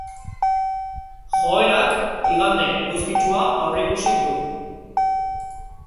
Joerak igande eguzkitsua aurreikusi du.